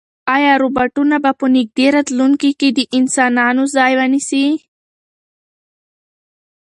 ایا روبوټونه به په نږدې راتلونکي کې د انسانانو ځای ونیسي؟